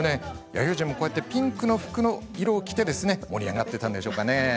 弥生人もこうしたピンク色の服を着て盛り上がったんでしょうか？